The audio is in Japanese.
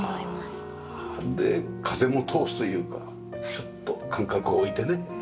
で風も通すというかちょっと間隔を置いてね。